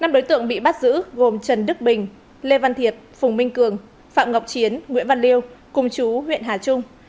năm đối tượng bị bắt giữ gồm trần đức bình lê văn thiệp phùng minh cường phạm ngọc chiến nguyễn văn liêu cùng chú huyện hà trung